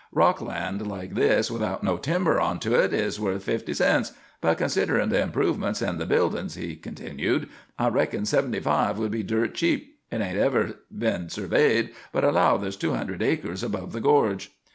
Rock land like this, without no timber onto hit, is worth fifty cents; but, cousiderin' the improvements and the buildin's," he continued, "I reckon seventy five would be dirt cheap. Hit ain't ever been surveyed, but I 'low there's two hundred acres above the gorge."